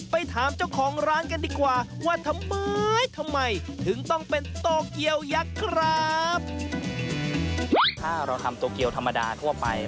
ไปถามเจ้าของร้านกันดีกว่า